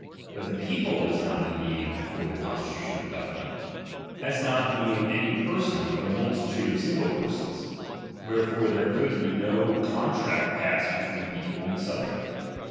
But the people is not in being before the con stitution of government, as not being any person, but a multitude of single persons ; wherefore there could then no contract pass between the people and the subject.